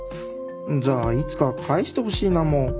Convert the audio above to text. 「じゃあいつか返してほしいなも」。